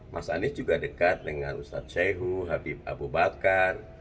mas anies juga dekat dengan ustadz syehu habib abu bakar